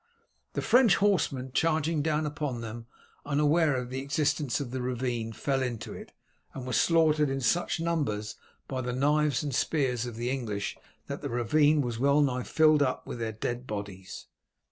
The French horsemen charging down upon them, unaware of the existence of the ravine, fell into it, and were slaughtered in such numbers by the knives and spears of the English that the ravine was well nigh filled up with their dead bodies.